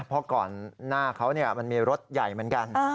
เพราะก่อนหน้าเขามันมีรถใหญ่เหมือนกัน